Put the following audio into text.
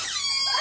あ。